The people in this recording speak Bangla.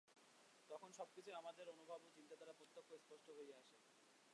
তখন সব কিছুই আমাদের অনুভব ও চিন্তা দ্বারা প্রত্যক্ষ ও স্পষ্ট হইয়া আসে।